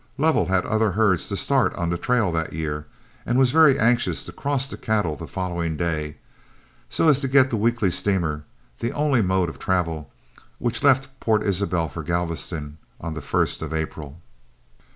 Lovell had other herds to start on the trail that year, and was very anxious to cross the cattle the following day, so as to get the weekly steamer the only mode of travel which left Point Isabel for Galveston on the first of April.